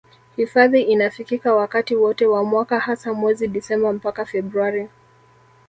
Hifadhi inafikika wakati wote wa mwaka hasa mwezi Disemba mpaka Februari